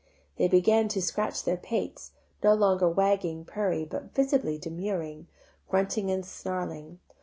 They began to scratch their pates, No longer wagging, purring, But visibly demurring, Grunting and snarling.